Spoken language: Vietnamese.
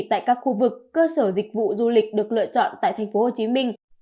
tại các khu vực cơ sở dịch vụ du lịch được lựa chọn tại tp hcm